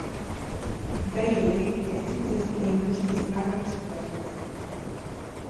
Gai horiek ez zitzaizkion guztiz arrotz gertatzen.